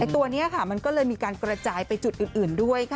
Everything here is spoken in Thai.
ตัวนี้ค่ะมันก็เลยมีการกระจายไปจุดอื่นด้วยค่ะ